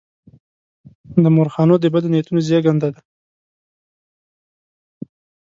د مورخانو د بدو نیتونو زېږنده ده.